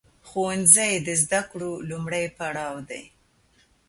ښوونځی د زده کړو لومړی پړاو دی.